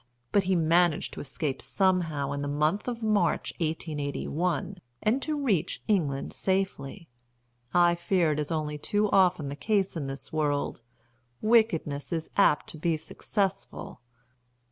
But he managed to escape somehow in the month of March 1881, and to reach England safely. I fear it is only too often the case in this world wickedness is apt to be successful."